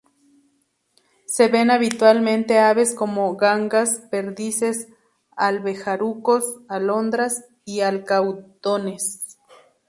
Se ven habitualmente aves como gangas, perdices, abejarucos, alondras y alcaudones.